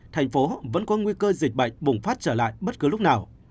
thành phố vẫn có nguy cơ dịch bệnh bùng phát trở lại bất cứ lúc nào